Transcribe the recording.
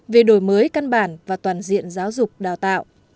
về đổi mới căn bản và toàn diện giáo dục đào tạo